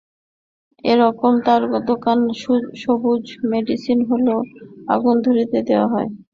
এরপর তাঁর দোকান সবুজ মেডিকেল হলে আগুন ধরিয়ে দেওয়া হয়।